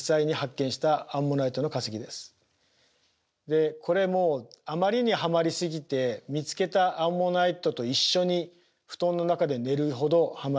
でこれもうあまりにはまりすぎて見つけたアンモナイトと一緒に布団の中で寝るほどはまりました。